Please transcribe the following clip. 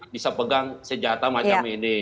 bisa pegang senjata macam ini